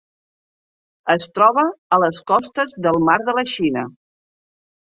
Es troba a les costes del Mar de la Xina.